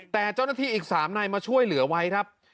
แต่เจ้าหน้าที่อีก๓นายมาช่วยเหลือไว้ครับ